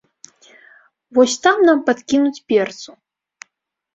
Вось там нам падкінуць перцу.